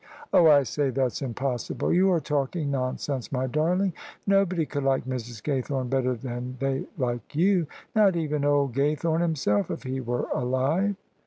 " Oh, I say, that's impossible! You are talking nonsense^ my darling. Nobody could like Mrs. Gasrthome better than they like you — not even old Gaythome himself, if he were alive!"